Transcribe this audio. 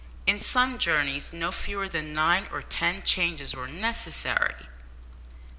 In some journeys no fewer than nine or ten changes were necessary!